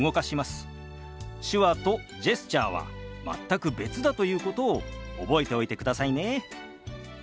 手話とジェスチャーは全く別だということを覚えておいてくださいね。